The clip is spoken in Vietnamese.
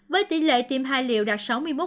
với tỷ lệ tiêm hai liệu đạt sáu mươi một